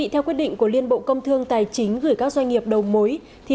theo quyết định của liên bộ công thương tài chính gửi các doanh nghiệp đầu mối